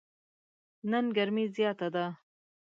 نن ګرمي زیاته ده.